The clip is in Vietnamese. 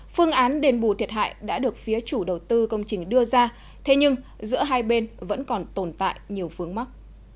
phương án đền bù thiệt hại đã được phía chủ đầu tư công trình đưa ra thế nhưng giữa hai bên vẫn còn tồn tại nhiều vướng mắt